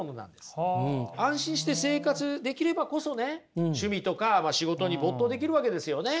安心して生活できればこそね趣味とか仕事に没頭できるわけですよね。